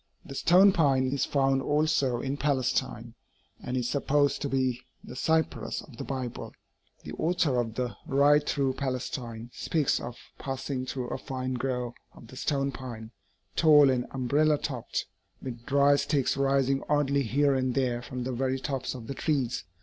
The stone pine is found also in Palestine, and is supposed to be the cypress of the Bible. The author of The Ride Through Palestine speaks of passing through a fine grove of the stone pine, 'tall and umbrella topped,' with dry sticks rising oddly here and there from the very tops of the trees.